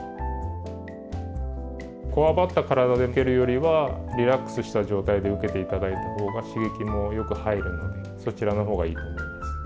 こわばった体で受けるよりはリラックスした状態で受けていただいたほうが刺激もよく入るのでそちらのほうがいいと思います。